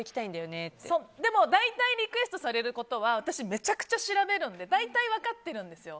でも大体リクエストされることは私、めちゃくちゃ調べるので大体分かってるんですよ。